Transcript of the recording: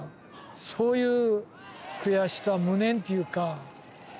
そういう悔しさ無念っていうか。